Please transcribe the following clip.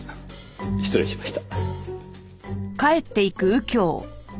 失礼しました。